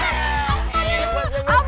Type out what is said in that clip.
eee buat siap